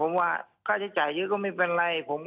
ผมว่าค่าใช้จ่ายเยอะก็ไม่เป็นไร